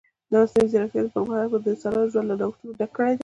د مصنوعي ځیرکتیا پرمختګ د انسانانو ژوند له نوښتونو ډک کړی دی.